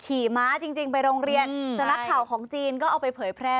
ขี่ม้าจริงไปโรงเรียนสำนักข่าวของจีนก็เอาไปเผยแพร่